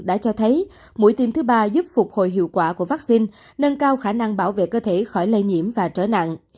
đã cho thấy mũi tiêm thứ ba giúp phục hồi hiệu quả của vaccine nâng cao khả năng bảo vệ cơ thể khỏi lây nhiễm và trở nặng